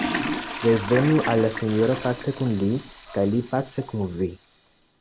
Revenu al la Sinjoro pace kun Li, kaj Li pace kun vi.